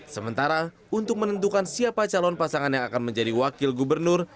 sementara untuk menentukan siapa calon pasangan yang akan menjadi wakil gubernur